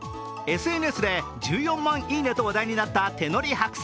ＳＮＳで１４万いいねと話題になった手乗り白菜。